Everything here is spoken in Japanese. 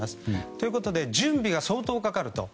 ということで準備が相当かかると。